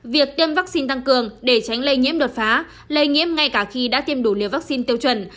việc tiêm vaccine tăng cường để tránh lây nhiễm đột phá lây nhiễm ngay cả khi đã tiêm đủ liều vaccine tiêu chuẩn